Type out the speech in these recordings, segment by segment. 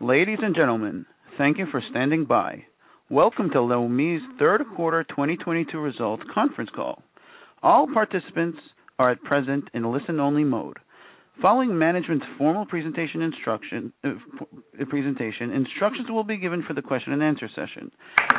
Ladies and gentlemen, thank you for standing by. Welcome to Leumi's Third Quarter 2022 Results Conference Call. All participants are at present in listen only mode. Following management's formal presentation, instructions will be given for the question and answer session.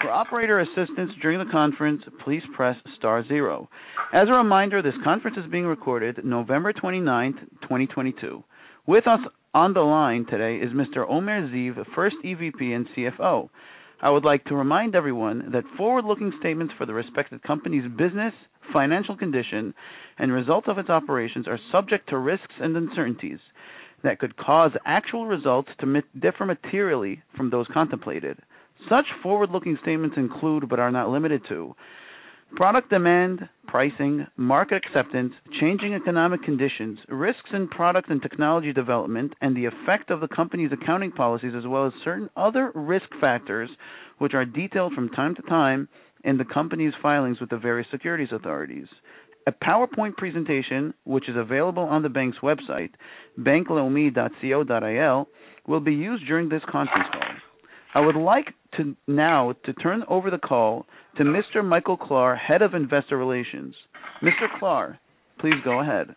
For operator assistance during the conference, please press star zero. As a reminder, this conference is being recorded November 29th, 2022. With us on the line today is Mr. Omer Ziv, the first EVP and CFO. I would like to remind everyone that forward-looking statements for the respective company's business, financial condition and results of its operations are subject to risks and uncertainties that could cause actual results to differ materially from those contemplated. Such forward-looking statements include, but are not limited to product demand, pricing, market acceptance, changing economic conditions, risks in product and technology development, and the effect of the company's accounting policies, as well as certain other risk factors which are detailed from time to time in the company's filings with the various securities authorities. A PowerPoint presentation, which is available on the bank's website, bankleumi.co.il, will be used during this conference call. I would like to now to turn over the call to Mr. Michael Klahr, Head of Investor Relations. Mr. Klahr, please go ahead.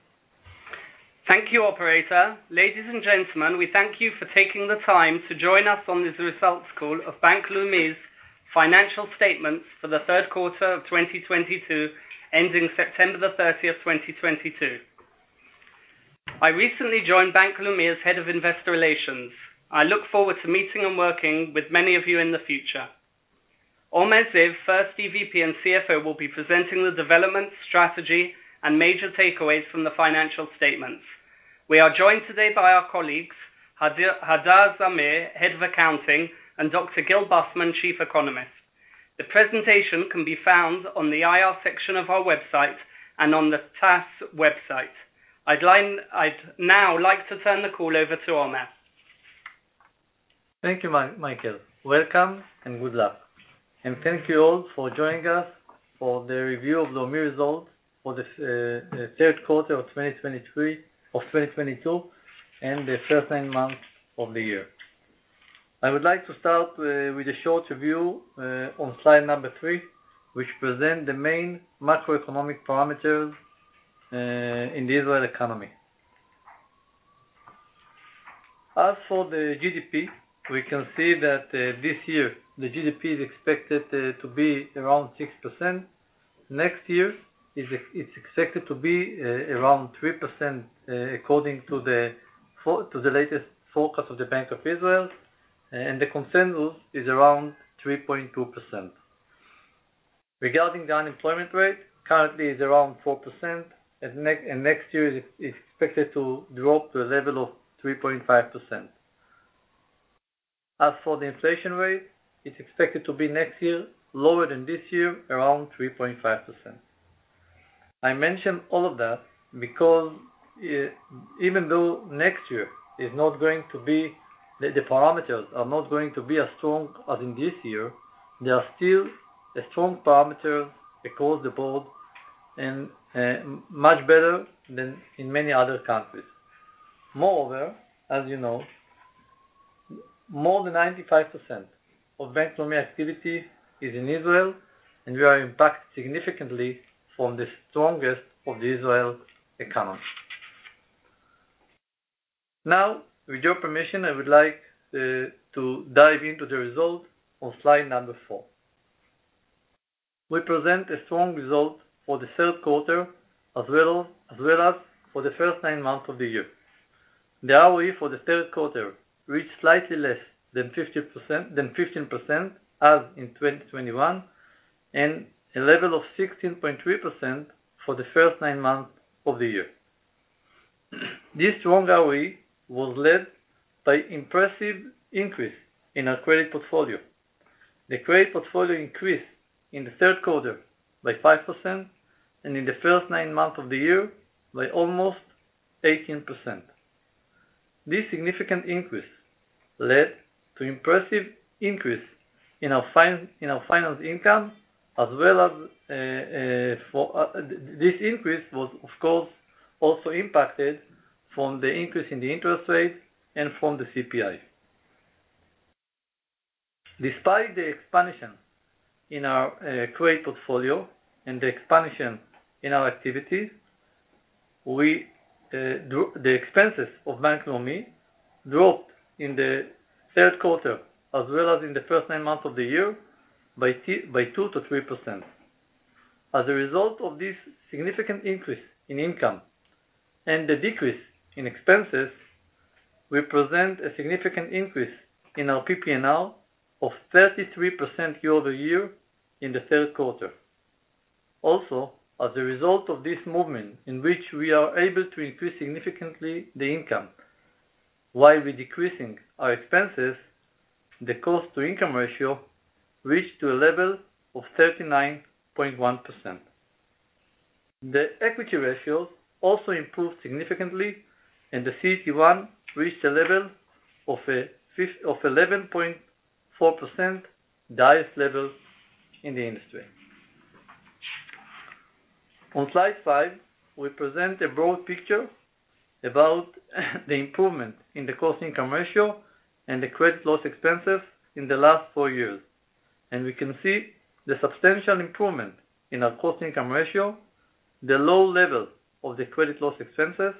Thank you, operator. Ladies and gentlemen, we thank you for taking the time to join us on this results call of Bank Leumi's financial statements for the third quarter of 2022, ending September the 30th, 2022. I recently joined Bank Leumi as Head of Investor Relations. I look forward to meeting and working with many of you in the future. Omer Ziv, first EVP and CFO, will be presenting the development strategy and major takeaways from the financial statements. We are joined today by our colleagues, [Hagit Argov], Head of Accounting, and Dr. Gil Bufman, Chief Economist. The presentation can be found on the IR section of our website and on the TASE website. I'd now like to turn the call over to Omer. Thank you, Michael. Welcome and good luck, and thank you all for joining us for the review of Leumi results for the third quarter of 2022 and the first nine months of the year. I would like to start with a short review on Slide Number 3, which present the main macroeconomic parameters in the Israel economy. As for the GDP, we can see that this year the GDP is expected to be around 6%. Next year it's expected to be around 3%, according to the latest forecast of the Bank of Israel, and the consensus is around 3.2%. Regarding the unemployment rate, currently is around 4% and next year is expected to drop to a level of 3.5%. As for the inflation rate, it's expected to be next year lower than this year, around 3.5%. I mention all of that because even though next year is not going to be-- the parameters are not going to be as strong as in this year. They are still a strong parameter across the board and much better than in many other countries. As you know, more than 95% of Bank Leumi activity is in Israel, and we are impacted significantly from the strongest of the Israel economy. With your permission, I would like to dive into the results on Slide Number 4. We present a strong result for the third quarter as well, as well as for the first nine months of the year. The ROE for the third quarter reached slightly less than 15%, as in 2021, and a level of 16.3% for the first nine months of the year. This strong ROE was led by impressive increase in our credit portfolio. The credit portfolio increased in the third quarter by 5% and in the first nine months of the year by almost 18%. This significant increase led to impressive increase in our finance income, as well as for-- This increase was of course also impacted from the increase in the interest rate and from the CPI. Despite the expansion in our credit portfolio and the expansion in our activities, the expenses of Bank Leumi dropped in the third quarter as well as in the first nine months of the year by 2%-3%. A result of this significant increase in income and the decrease in expenses, we present a significant increase in our PPNR of 33% year-over-year in the third quarter. As a result of this movement in which we are able to increase significantly the income while we decreasing our expenses, the cost to income ratio reached to a level of 39.1%. The equity ratio also improved significantly. The CET1 reached a level of 11.4%, the highest level in the industry. On Slide 5, we present a broad picture about the improvement in the cost income ratio and the credit loss expenses in the last four years. We can see the substantial improvement in our cost income ratio, the low level of the credit loss expenses,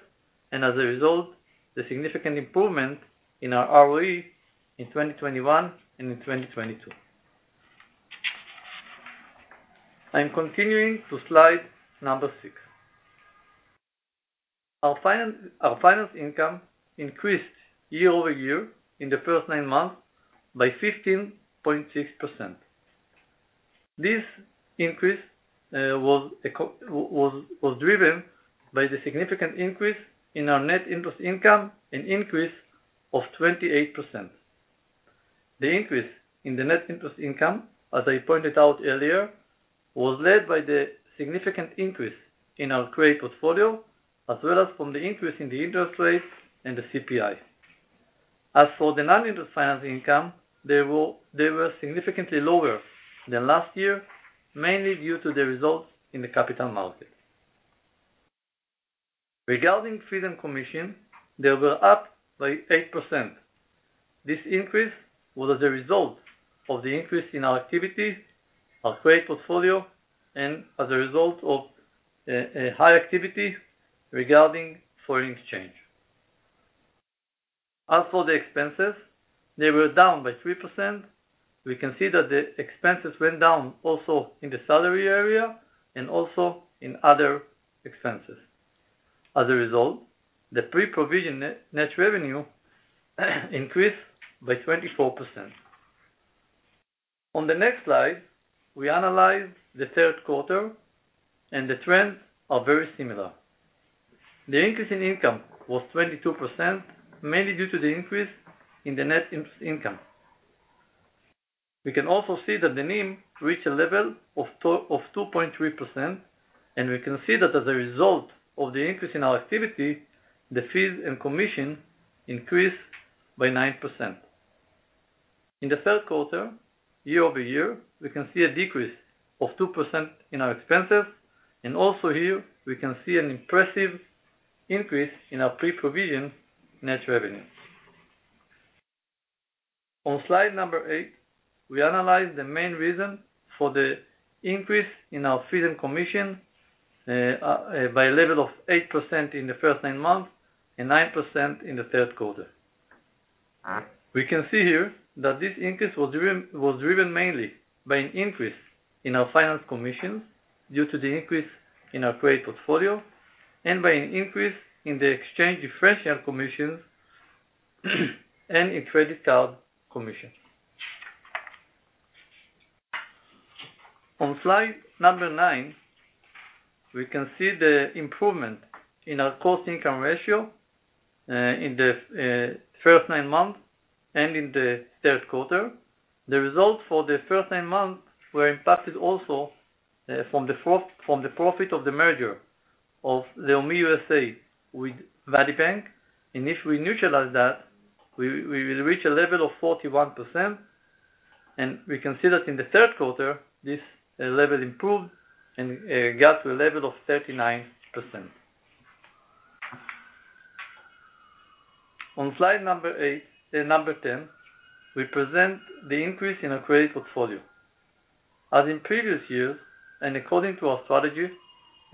and as a result, the significant improvement in our ROE in 2021 and in 2022. I'm continuing to Slide 6. Our finance income increased year-over-year in the first nine months by 15.6%. This increase was driven by the significant increase in our net interest income, an increase of 28%. The increase in the net interest income, as I pointed out earlier, was led by the significant increase in our credit portfolio, as well as from the increase in the interest rates and the CPI. The non-interest financing income, they were significantly lower than last year, mainly due to the results in the capital market. Fees and commission, they were up by 8%. This increase was as a result of the increase in our activity, our trade portfolio, and as a result of a high activity regarding foreign exchange. The expenses, they were down by 3%. We can see that the expenses went down also in the salary area and also in other expenses. The pre-provision net net revenue increased by 24%. On the next slide, we analyze the third quarter and the trends are very similar. The increase in income was 22%, mainly due to the increase in the net income. We can also see that the NIM reached a level of 2.3%. We can see that as a result of the increase in our activity, the fees and commission increased by 9%. In the third quarter, year-over-year, we can see a decrease of 2% in our expenses. Also here we can see an impressive increase in our pre-provision net revenue. On Slide Number 8, we analyze the main reason for the increase in our fees and commission by a level of 8% in the first nine months and 9% in the third quarter. We can see here that this increase was driven mainly by an increase in our finance commissions due to the increase in our credit portfolio and by an increase in the exchange differential commissions and in credit card commissions. On Slide Number 9, we can see the improvement in our cost income ratio in the first nine months and in the third quarter. The results for the first nine months were impacted also from the profit of the merger of Leumi USA with Valley Bank. If we neutralize that, we will reach a level of 41%. We can see that in the third quarter, this level improved and got to a level of 39%. On Slide Number 10, we present the increase in our credit portfolio. As in previous years, according to our strategy,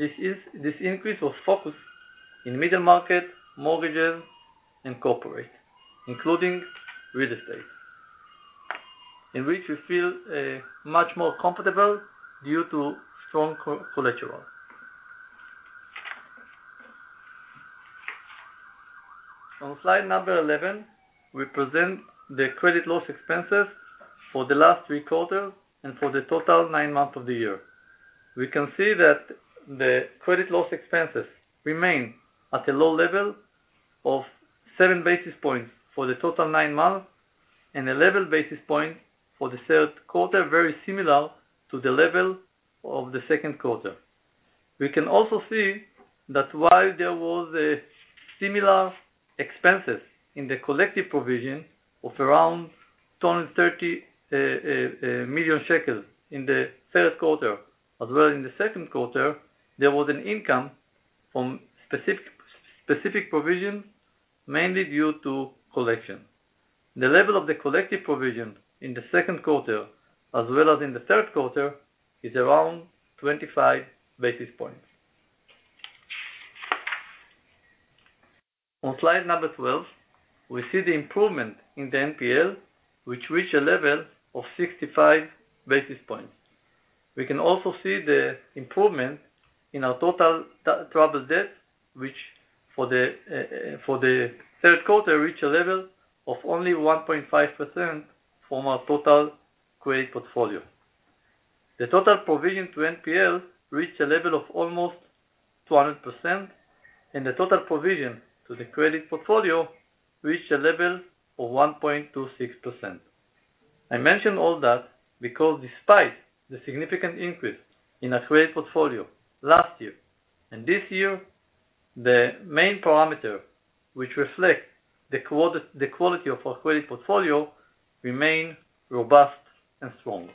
this increase was focused in middle market, mortgages, and corporate, including real estate, in which we feel much more comfortable due to strong co-collateral. On Slide Number 11, we present the credit loss expenses for the last three quarters and for the total nine months of the year. We can see that the credit loss expenses remain at a low level of 7 basis points for the total nine months and 11 basis point for the third quarter, very similar to the level of the second quarter. We can also see that while there was similar expenses in the collective provision of around 230 million shekels in the first quarter as well as in the second quarter, there was an income from specific provisions, mainly due to collection. The level of the collective provision in the second quarter as well as in the third quarter is around 25 basis points. On Slide Number 12, we see the improvement in the NPL, which reached a level of 65 basis points. We can also see the improvement in our total troubled debt, which for the third quarter, reached a level of only 1.5% from our total credit portfolio. The total provision to NPL reached a level of almost 200%. The total provision to the credit portfolio reached a level of 1.26%. I mention all that because despite the significant increase in our credit portfolio last year and this year. The main parameter which reflect the quality of our credit portfolio remain robust and strong.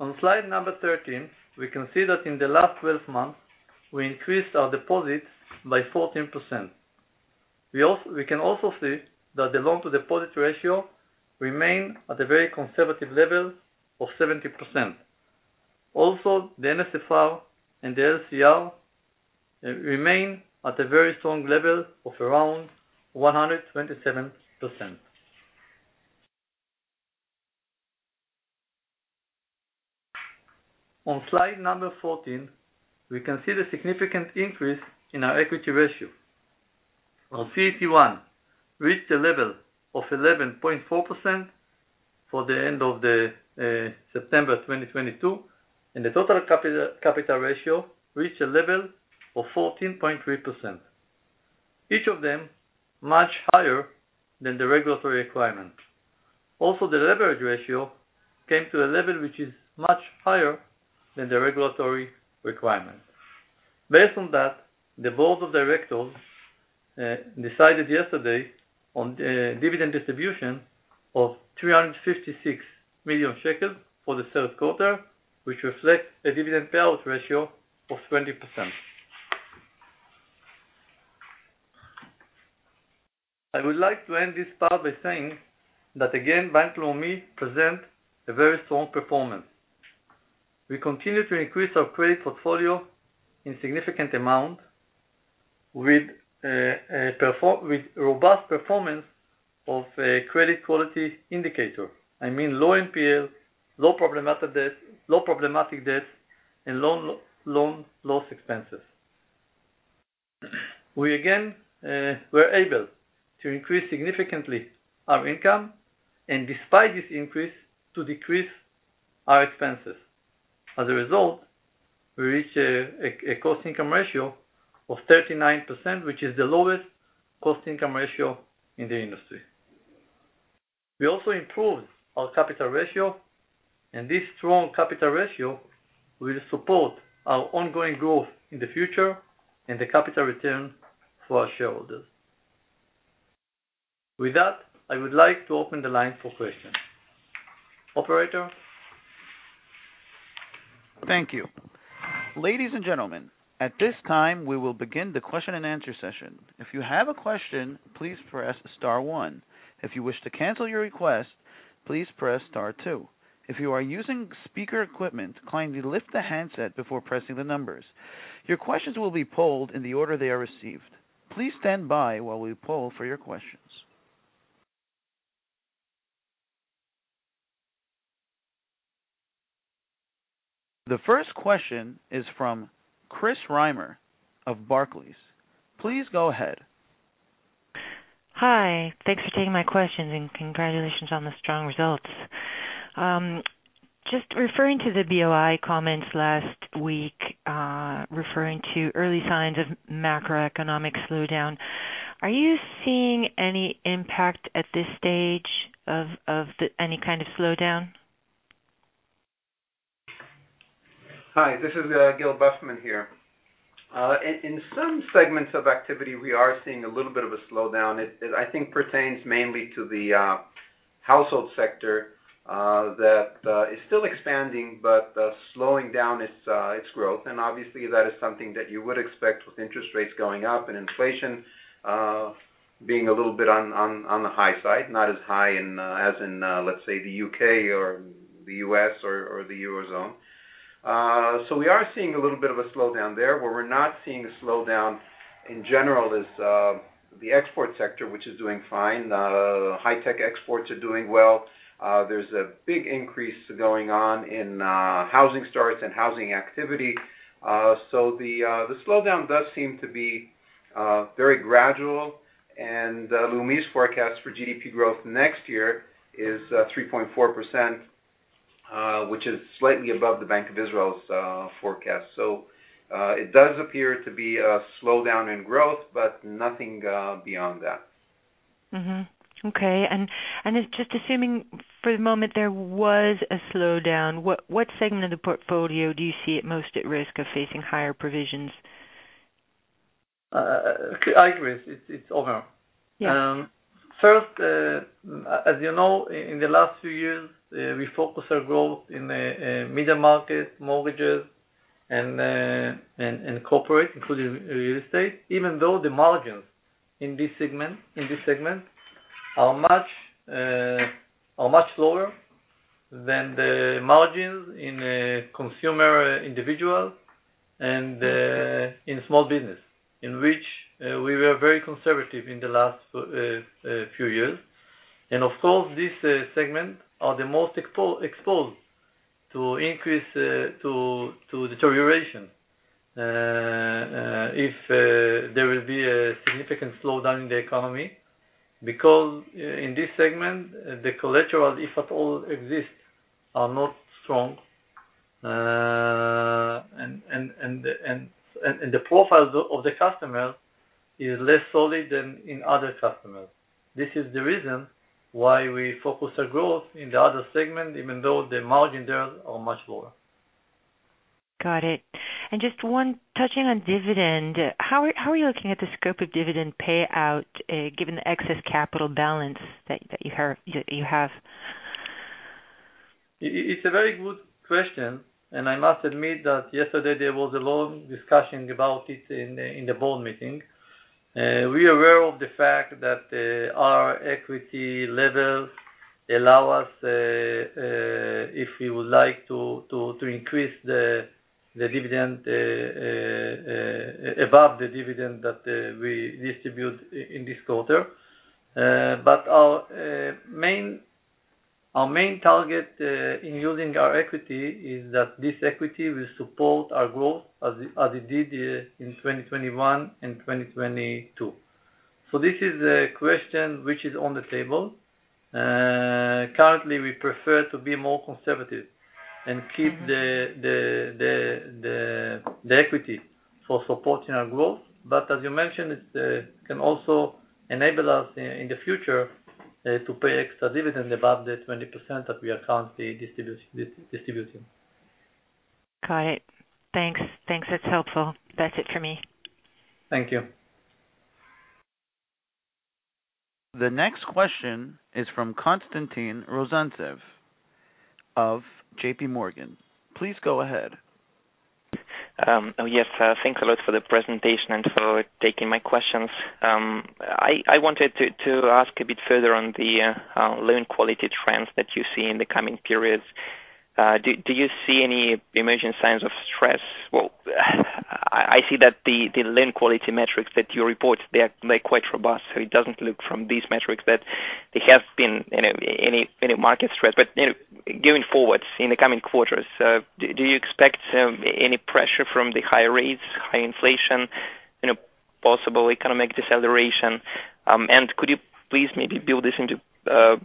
On Slide Number 13, we can see that in the last 12 months, we increased our deposits by 14%. We can also see that the loan to deposit ratio remain at a very conservative level of 70%. Also, the NSFR and the LCR remain at a very strong level of around 127%. On Slide Number 14, we can see the significant increase in our equity ratio. CET1 reached a level of 11.4% for the end of September 2022, and the total capital ratio reached a level of 14.3%, each of them much higher than the regulatory requirement. Also, the leverage ratio came to a level which is much higher than the regulatory requirement. Based on that, the board of directors decided yesterday on dividend distribution of 356 million shekels for the third quarter, which reflects a dividend payout ratio of 20%. I would like to end this part by saying that, again, Bank Leumi present a very strong performance. We continue to increase our credit portfolio in significant amount with robust performance of credit quality indicator. I mean, low NPL, low problematic debt, and loan loss expenses. We, again, we're able to increase significantly our income, and despite this increase, to decrease our expenses. As a result, we reach a cost income ratio of 39%, which is the lowest cost income ratio in the industry. We also improved our capital ratio, and this strong capital ratio will support our ongoing growth in the future and the capital return for our shareholders. With that, I would like to open the line for questions. Operator? Thank you. Ladies and gentlemen, at this time, we will begin the question and answer session. If you have a question, please press star one. If you wish to cancel your request, please press star two. If you are using speaker equipment, kindly lift the handset before pressing the numbers. Your questions will be polled in the order they are received. Please stand by while we poll for your questions. The first question is from Chris Reimer of Barclays. Please go ahead. Hi. Thanks for taking my questions, and congratulations on the strong results. Just referring to the BOI comments last week, referring to early signs of macroeconomic slowdown, are you seeing any impact at this stage of the any kind of slowdown? Hi, this is Gil Bufman here. In some segments of activity, we are seeing a little bit of a slowdown. It, I think, pertains mainly to the household sector that is still expanding but slowing down its growth, and obviously that is something that you would expect with interest rates going up and inflation being a little bit on the high side, not as high as in, let's say the U.K. or the U.S. or the Eurozone. We are seeing a little bit of a slowdown there. Where we're not seeing a slowdown, in general, is the export sector, which is doing fine. High tech exports are doing well. There's a big increase going on in housing starts and housing activity. The slowdown does seem to be very gradual, and Leumi's forecast for GDP growth next year is 3.4%, which is slightly above the Bank of Israel's forecast. It does appear to be a slowdown in growth, but nothing beyond that. Okay. And just assuming for the moment there was a slowdown, what segment of the portfolio do you see at most at risk of facing higher provisions? I agree. It's Omer. First, as you know, in the last few years, we focus our growth in middle market mortgages and corporate, including real estate, even though the margins in this segment are much lower than the margins in consumer individual and in small business, in which we were very conservative in the last few years. Of course, this segment are the most exposed to increase to deterioration, if there will be a significant slowdown in the economy, because in this segment, the collateral, if at all exists, are not strong. The profile of the customer is less solid than in other customers. This is the reason why we focus our growth in the other segment, even though the margin there are much lower. Got it. Touching on dividend, how are you looking at the scope of dividend payout given the excess capital balance that you have? It's a very good question, and I must admit that yesterday there was a long discussion about it in the board meeting. We are aware of the fact that our equity levels allow us if we would like to increase the dividend above the dividend that we distribute in this quarter. Our main target in using our equity is that this equity will support our growth as it did in 2021 and 2022. This is a question which is on the table. Currently, we prefer to be more conservative and keep the equity for supporting our growth. As you mentioned, it, can also enable us in the future, to pay extra dividend above the 20% that we are currently distributing. Got it. Thanks. That's helpful. That's it for me. Thank you. The next question is from Konstantin Rozantsev of JPMorgan. Please go ahead. Yes. Thanks a lot for the presentation and for taking my questions. I wanted to ask a bit further on the loan quality trends that you see in the coming periods. Do you see any emerging signs of stress? Well, I see that the loan quality metrics that you report, they are, they're quite robust, so it doesn't look from these metrics that there have been any market stress. You know, going forward in the coming quarters, do you expect any pressure from the high rates, high inflation, you know, possible economic deceleration? And could you please maybe build this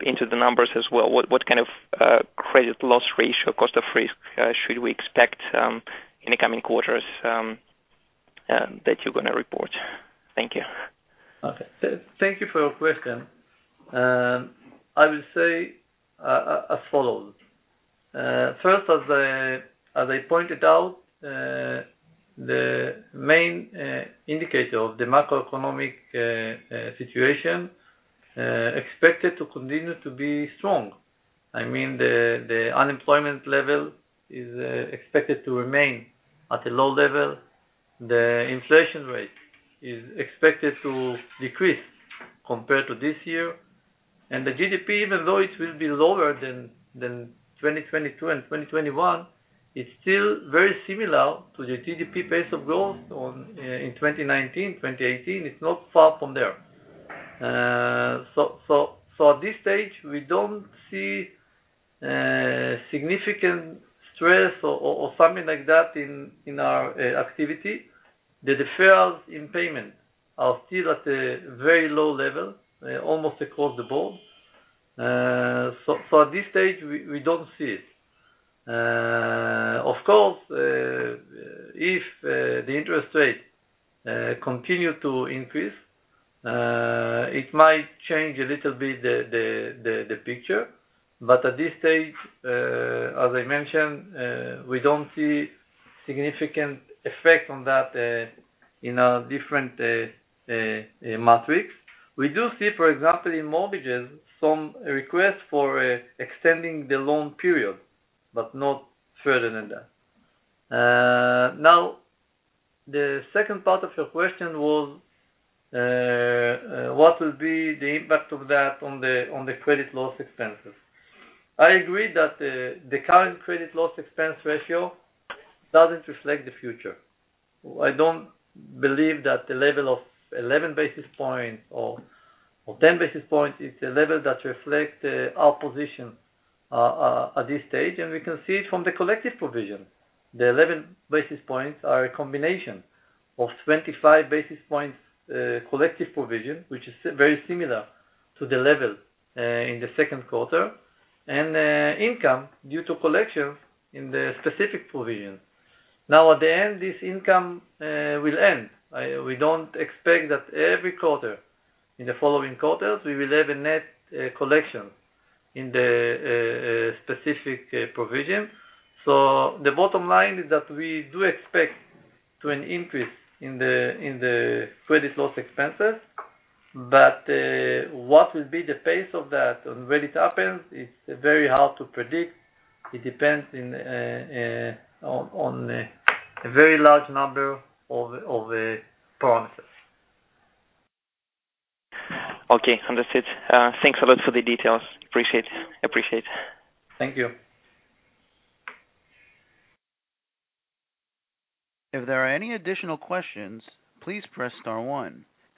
into the numbers as well? What kind of credit loss ratio, cost of risk, should we expect in the coming quarters that you're gonna report? Thank you. Okay. Thank you for your question. I will say as follows. First, as I pointed out, the main indicator of the macroeconomic situation expected to continue to be strong. I mean, the unemployment level is expected to remain at a low level. The inflation rate is expected to decrease compared to this year. The GDP, even though it will be lower than 2022 and 2021, it's still very similar to the GDP pace of growth in 2019, 2018. It's not far from there. At this stage, we don't see significant stress or something like that in our activity. The defaults in payment are still at a very low level almost across the board. At this stage we don't see it. Of course, if the interest rate continue to increase, it might change a little bit the picture, but at this stage, as I mentioned, we don't see significant effect on that in our different metrics. We do see, for example, in mortgages, some requests for extending the loan period, but not further than that. The second part of your question was what will be the impact of that on the credit loss expenses. I agree that the current credit loss expense ratio doesn't reflect the future. I don't believe that the level of 11 basis points or 10 basis points is the level that reflect our position at this stage. We can see it from the collective provision. The 11 basis points are a combination of 25 basis points collective provision, which is very similar to the level in the second quarter, and income due to collection in the specific provision. At the end, this income will end. We don't expect that every quarter in the following quarters, we will have a net collection in the specific provision. The bottom line is that we do expect to an increase in the credit loss expenses, but what will be the pace of that and when it happens is very hard to predict. It depends in, on a very large number of promises. Okay. Understood. Thanks a lot for the details. Appreciate, appreciate it. Thank you. If there are any additional questions, please press star one.